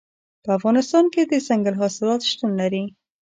په افغانستان کې دځنګل حاصلات شتون لري.